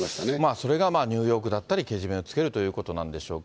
それがニューヨークだったり、けじめをつけるということなんでしょうか。